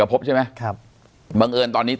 ปากกับภาคภูมิ